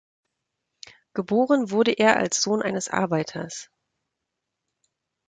Geboren wurde er als Sohn eines Arbeiters.